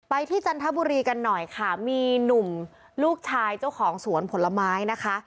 ที่จันทบุรีกันหน่อยค่ะมีหนุ่มลูกชายเจ้าของสวนผลไม้นะคะ